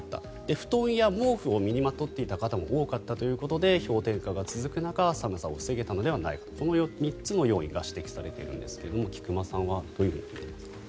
布団や毛布を身にまとっていた方も多かったということで氷点下が続く中寒さを防げたのではないかとこの３つの要因が指摘されているんですが菊間さんはどういうふうに見ていますか？